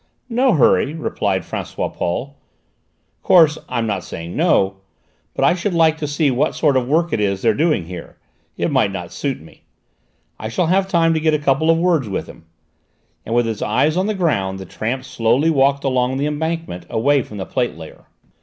"No hurry," replied François Paul. "'Course, I'm not saying no, but I should like to see what sort of work it is they're doing here: it might not suit me; I shall still have time to get a couple of words with him," and with his eyes on the ground the tramp slowly walked along the embankment away from the plate layer.